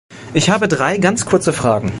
Ich habe drei ganz kurze Fragen.